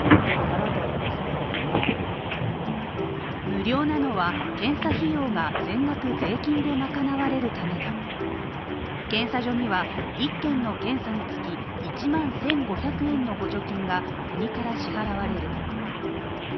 無料なのは、検査費用が全額税金で賄われるためだ検査所には１件の検査につき１万１５００円の補助金が国から支払われる。